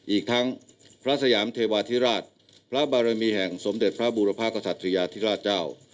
อีกทั้งพระสยามเทวาธิราชพระบารมีแห่งสมเด็จพระบูรพากษัตริยาธิราชเจ้า